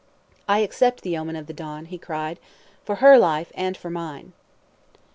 "I accept the omen of the dawn," he cried, "for her life and for mine."